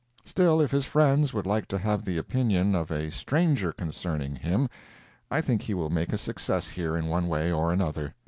Still, if his friends would like to have the opinion of a stranger concerning him, I think he will make a success here in one way or another.